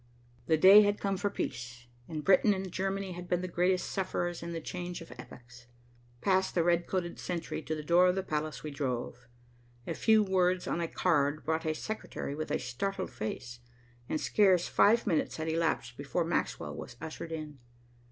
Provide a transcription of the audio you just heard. The day had come for peace, and Britain and Germany had been the greatest sufferers in the change of epochs. Past the red coated sentry, to the door of the palace we drove. A few words on a card brought a secretary with a startled face, and scarce five minutes had elapsed before Maxwell was ushered in.